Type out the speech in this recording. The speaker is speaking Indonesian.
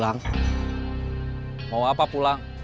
dia masih paragamp beast di li fare